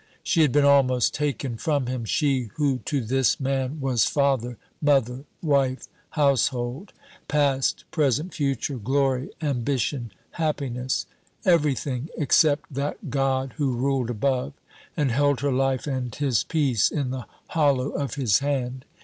She had been almost taken from him she, who to this man was father, mother, wife, household, past, present, future, glory, ambition, happiness everything except that God who ruled above and held her life and his peace in the hollow of His hand.